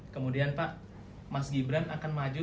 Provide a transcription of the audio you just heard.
kemudian pak mas gibran akan maju